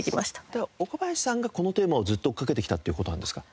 では岡林さんがこのテーマをずっと追っかけてきたっていう事なんですか？